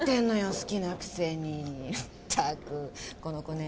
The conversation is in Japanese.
好きなくせにこの子ね